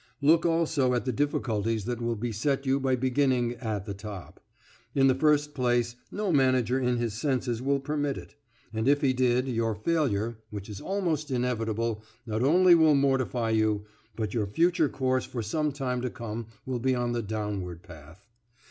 Look also at the difficulties that will beset you by beginning "at the top." In the first place, no manager in his senses will permit it; and if he did, your failure which is almost inevitable not only will mortify you, but your future course for some time to come will be on the downward path.